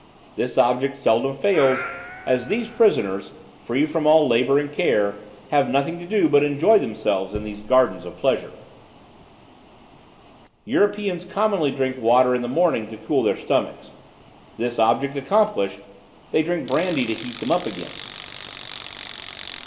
This object seldom fails, as these prisoners, free from all labor and care, have nothing to do but to enjoy themselves in these gardens of pleasure. "Europeans commonly drink water in the morning to cool their stomachs; this object accomplished, they drink brandy to heat them again.